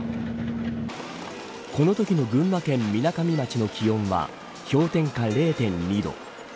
このときの群馬県みなかみ町の気温は氷点下０．２度。